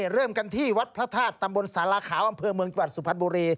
เริ่มกันที่วัดพระธาตุตำบลสารขาวอำเภอเมืองจังหวัดสุพรรณบุรี